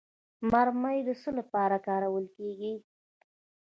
مرمر د څه لپاره کارول کیږي؟